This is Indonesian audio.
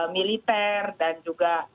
militer dan juga